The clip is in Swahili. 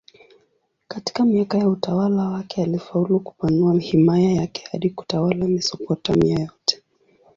Katika miaka ya utawala wake alifaulu kupanua himaya yake hadi kutawala Mesopotamia yote.